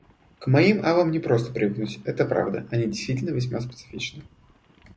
К моим авам не просто привыкнуть, это правда. Они действительно весьма специфичны.